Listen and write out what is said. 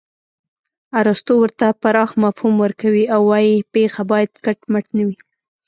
ارستو ورته پراخ مفهوم ورکوي او وايي پېښه باید کټ مټ نه وي